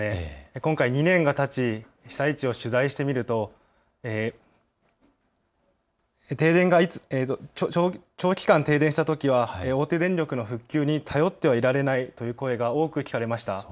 今回、２年がたち被災地を取材してみると長期間停電したときは大手電力の復旧に頼ってはいられないという声が多く聞かれました。